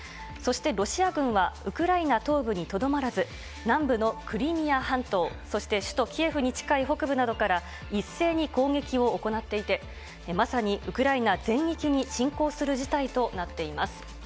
そしてロシア軍は、ウクライナ東部にとどまらず、南部のクリミア半島、そして首都キエフに近い北部などから、一斉に攻撃を行っていて、まさにウクライナ全域に侵攻する事態となっています。